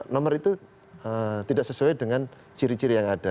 nomor itu tidak sesuai dengan ciri ciri yang ada